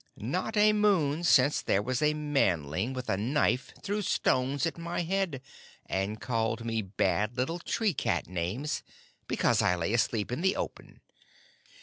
"Not a moon since there was a Manling with a knife threw stones at my head, and called me bad little tree cat names, because I lay asleep in the open."